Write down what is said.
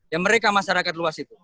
ya mereka masyarakat luas itu